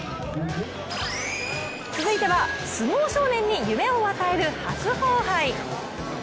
続いては相撲少年に夢を与える、白鵬杯。